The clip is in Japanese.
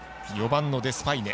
４番、デスパイネ。